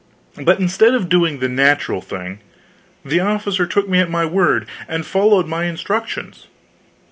But instead of doing the natural thing, the officer took me at my word, and followed my instructions.